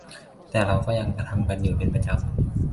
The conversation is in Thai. แต่เราก็ยังกระทำกันอยู่เป็นประจำ